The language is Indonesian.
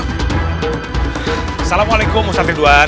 assalamualaikum ustaz ridwan